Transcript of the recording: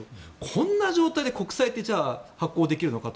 こんな状態で国債って発行できるのかと。